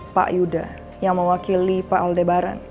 pak yuda yang mewakili pak aldebaran